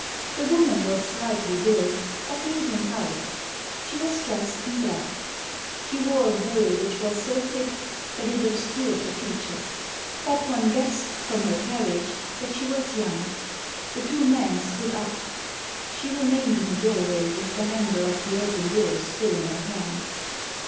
The woman was slightly built, of medium height She was dressed in black. She wore a veil which was so thick that it obscured her features. But one guessed, from her carriage, that she was young. The two men stood up. She re mained in the doorway with the handle of the open door still in her hand.